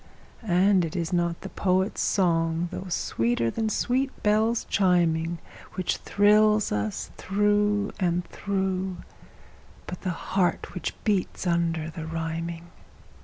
And it is not the poet's song, though sweeter than sweet bells chiming, Which thrills us through and through, but the heart which beats under the rhyming.